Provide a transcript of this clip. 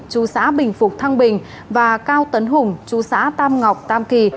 chú xã bình phục thăng bình và cao tấn hùng chú xã tam ngọc tam kỳ